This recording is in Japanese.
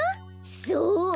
そう！